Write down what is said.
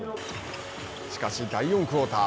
しかし、第４クオーター。